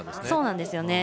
そうなんです。